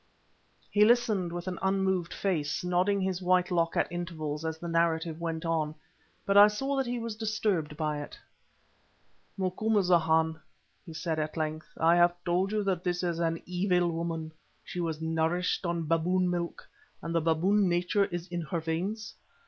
He listened with an unmoved face, nodding his white lock at intervals as the narrative went on. But I saw that he was disturbed by it. "Macumazahn," he said at length, "I have told you that this is an evil woman. She was nourished on baboon milk, and the baboon nature is in her veins.